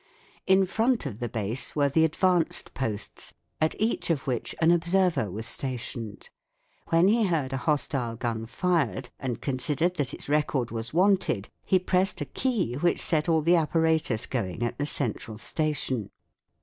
In front of the base were the advanced posts, at each of which an observer was stationed. When he heard a hostile gun fired and considered that its record was wanted he pressed a key which set all the apparatus going at the central station.